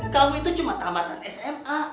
kamu itu cuma tamatan sma